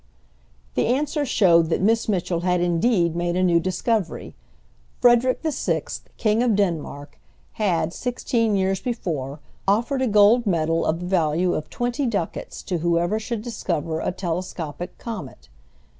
The answer showed that Miss Mitchell had indeed made a new discovery. Frederick VI., King of Denmark, had, sixteen years before, offered a gold medal of the value of twenty ducats to whoever should discover a telescopic comet.